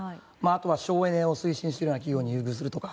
あとは省エネを推進する企業を優遇するとか。